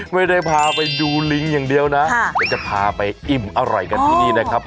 ไม่ได้พาไปดูลิงอย่างเดียวนะเดี๋ยวจะพาไปอิ่มอร่อยกันที่นี่นะครับ